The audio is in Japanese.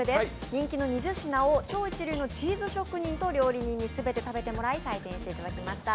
人気の２０品を超一流のチーズ職人に全て食べてもらい、採点してもらいました。